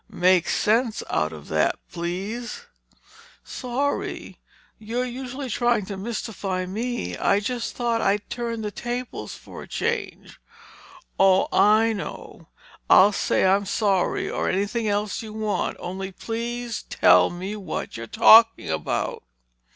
"Make sense out of that, please." "Sorry. You're usually trying to mystify me—I just thought I'd turn the tables for a change." "Oh, I know—I'll say I'm sorry or anything else you want. Only please tell me what you're talking about."